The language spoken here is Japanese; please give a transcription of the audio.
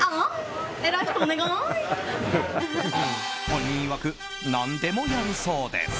本人いわく何でもやるそうです。